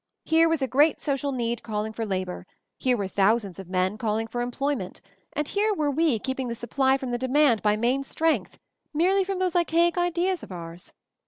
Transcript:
Here was a great social need calling for labor ; here were thousands of men calling for employment; and here were we keeping the supply from the demand by main strength — merely from those archaic ideas of ours.